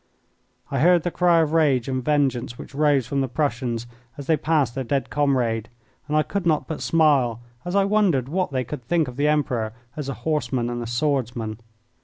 I heard the cry of rage and vengeance which rose from the Prussians as they passed their dead comrade, and I could not but smile as I wondered what they could think of the Emperor as a horseman and a swordsman.